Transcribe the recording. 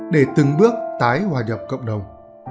để từng bước tái hòa nhập cộng đồng